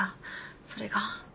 それが。